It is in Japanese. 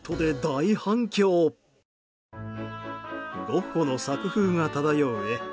ゴッホの作風が漂う絵。